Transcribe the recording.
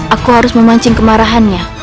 aku harus memancing kemarahannya